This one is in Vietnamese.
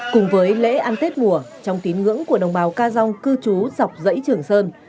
cùng với lễ ăn tết mùa trong tín ngưỡng của đồng bào ca dông cư trú dọc dãy trường sơn